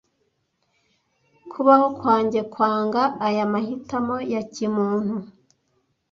kubaho kwanjye kwanga aya mahitamo ya kimuntu